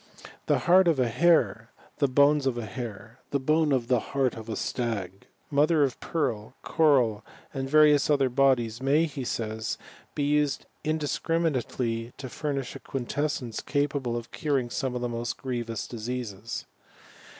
The heart of a hare, the bones of a hare, the bone of the heart of a stag, mo ther of pearl, coral, and various other bodies may, he says, be used indiscriminately to furnish a quintessence capable of curing some of the most grievous diseases.